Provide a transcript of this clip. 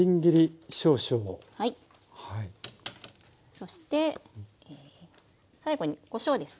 そして最後にこしょうですね。